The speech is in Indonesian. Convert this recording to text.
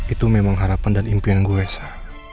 itu memang harapan dan impian gue esa